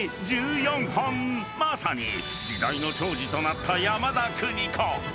［まさに時代の寵児となった山田邦子］